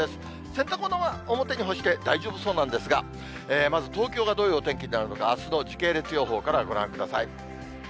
洗濯物は表に干して大丈夫そうなんですが、まず東京がどういうお天気になるのか、あすの時系列予報からご覧ください。